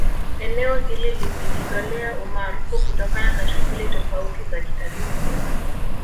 Eneo hili limejizolea umaarufu kutokana na shughuli tofauti za kitalii